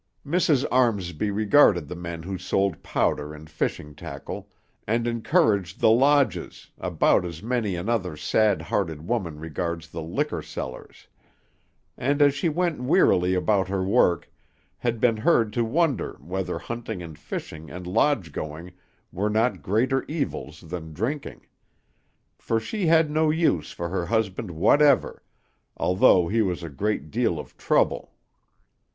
Mrs. Armsby regarded the men who sold powder and fishing tackle, and encouraged the lodges, about as many another sad hearted woman regards the liquor sellers; and, as she went wearily about her work, had been heard to wonder whether hunting and fishing and lodge going were not greater evils than drinking; for she had no use for her husband whatever, although he was a great deal of trouble.